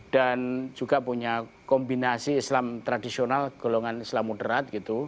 juga punya kombinasi islam tradisional golongan islam moderat gitu